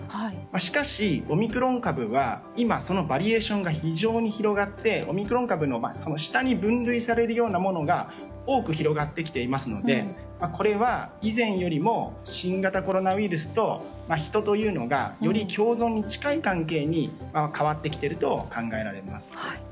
しかし、オミクロン株は今、そのバリエーションが非常に広がってオミクロン株の下に分類されるようなものが大きくいますのでこれは以前よりも新型コロナウイルスと人というのがより共存に近い関係に変わってきていると考えられます。